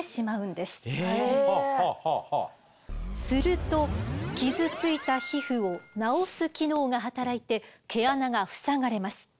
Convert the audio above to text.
すると傷ついた皮膚を治す機能が働いて毛穴が塞がれます。